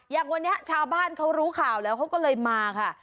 อย่างวันนี้ชาวบ้านเขารู้ข่าวแล้วเขาก็เลยมาค่ะ